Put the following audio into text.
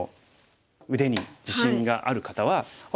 腕に自信がある方はあれ？